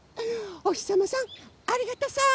おひさまさんありがとさん！